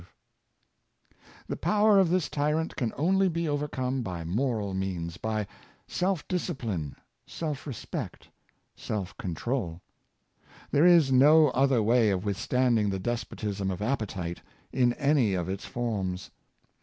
488 Honest Livinor, i> The power of this tyrant can only be overcome by moral means — by self discipline, self respect and self control. There is no other way of withstanding the despotism of appetite in any of its forms.